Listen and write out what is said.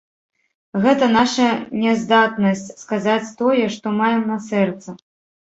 Гэта наша няздатнасць сказаць тое, што маем на сэрцы.